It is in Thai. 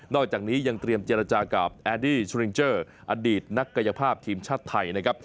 อกจากนี้ยังเตรียมเจรจากับแอดี้ชรินเจอร์อดีตนักกายภาพทีมชาติไทยนะครับ